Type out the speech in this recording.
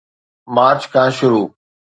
march کان شروع